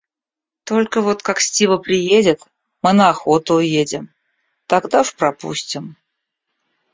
Только вот, как Стива приедет, мы на охоту уедем, тогда уж пропустим.